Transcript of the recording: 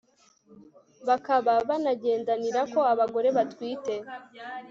bakaba banagendanirako. abagore batwite